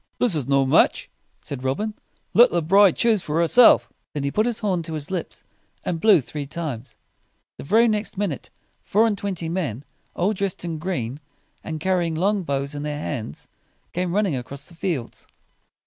"This is no match," said Robin. "Let the bride choose for herself." Then he put his horn to his lips, and blew three times. The very next minute, four and twenty men, all dressed in green, and car ry ing long bows in their hands, came running across the fields.